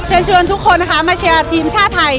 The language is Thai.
เชิญทุกคนมาเชียร์ทีมชาติไทย